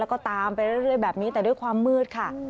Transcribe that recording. แล้วก็ตามไปเรื่อยแบบนี้แต่ด้วยความมืดค่ะ